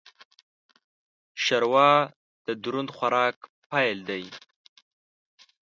ښوروا د دروند خوراک پیل دی.